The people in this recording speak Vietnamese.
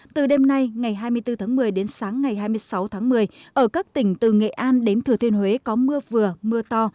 từ đêm nay ngày hai mươi bốn tháng một mươi đến sáng ngày hai mươi sáu tháng một mươi ở các tỉnh từ nghệ an đến thừa thiên huế có mưa vừa mưa to